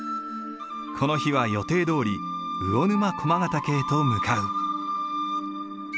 この日は予定どおり魚沼駒ヶ岳へと向かう。